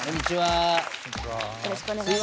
よろしくお願いします。